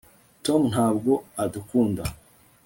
tom ntabwo adukunda